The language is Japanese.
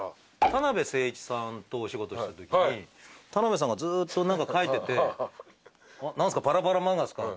田辺誠一さんとお仕事したときに田辺さんがずっと何か描いてて。